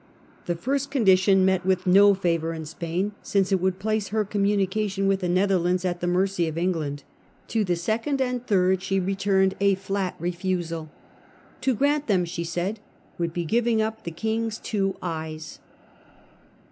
The first condition met with no favour in Spain, since it would plac^her communication with the Netherlands at the mercy of England. To the second and third she returned a flat refusal ; to grant them, she said, would be giving up the King's two eyes.